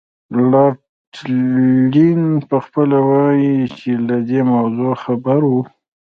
لارډ لیټن پخپله وایي چې له دې موضوع خبر وو.